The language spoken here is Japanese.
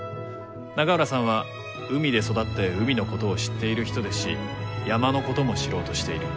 永浦さんは海で育って海のことを知っている人ですし山のことも知ろうとしている。